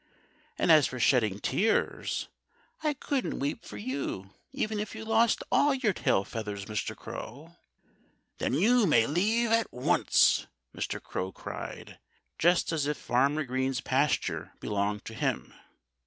And as for shedding tears, I couldn't weep for you even if you lost all your tail feathers, Mr. Crow." "Then you may leave at once!" Mr. Crow cried, just as if Farmer Green's pasture belonged to him.